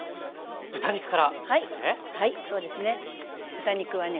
豚肉はね